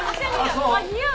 似合う！